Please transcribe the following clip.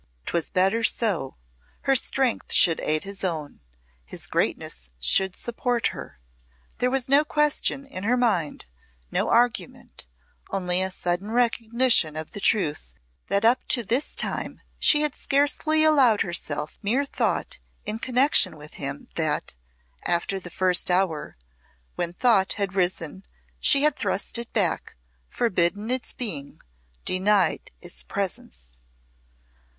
'Twas better so her strength should aid his own, his greatness should support her. There was no question in her mind, no argument, only a sudden recognition of the truth that up to this time she had scarcely allowed herself mere thought in connection with him, that after the first hour when thought had risen she had thrust it back, forbidden its being, denied its presence.